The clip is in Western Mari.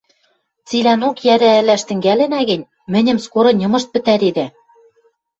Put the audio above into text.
— Цилӓнок йӓрӓ ӹлӓш тӹнгӓлӹнӓ гӹнь, мӹньӹм скоры ньымышт пӹтӓредӓ.